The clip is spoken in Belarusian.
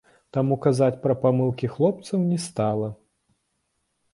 Таму казаць пра памылкі хлопцаў не стала.